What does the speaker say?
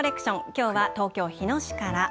きょうは東京日野市から。